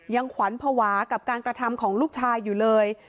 ขวัญภาวะกับการกระทำของลูกชายอยู่เลย